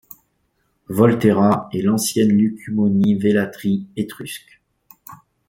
Volterra est l'ancienne lucumonie Velathri étrusque.